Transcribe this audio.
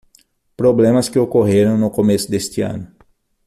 Problemas que ocorreram no começo deste ano